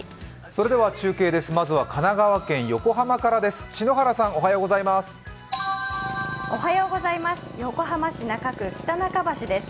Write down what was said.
それでは中継です、まずは神奈川県横浜からです。